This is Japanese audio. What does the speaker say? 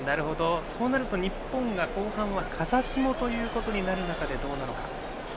そうなると、日本が後半は風下になる中でどうなのか。